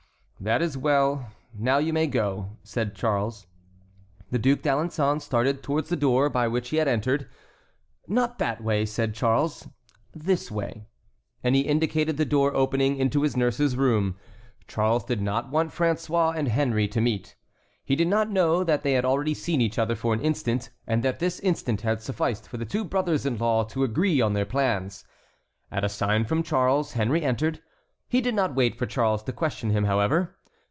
"That is well; now you may go," said Charles. The Duc d'Alençon started towards the door by which he had entered. "Not that way," said Charles; "this way." And he indicated the door opening into his nurse's room. Charles did not want François and Henry to meet. He did not know that they had already seen each other for an instant, and that this instant had sufficed for the two brothers in law to agree on their plans. At a sign from Charles, Henry entered. He did not wait for Charles to question him, however.